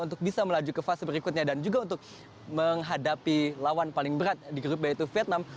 untuk bisa melaju ke fase berikutnya dan juga untuk menghadapi lawan paling berat di grup yaitu vietnam